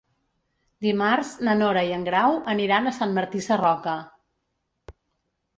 Dimarts na Nora i en Grau aniran a Sant Martí Sarroca.